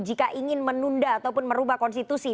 jika ingin menunda ataupun merubah konstitusi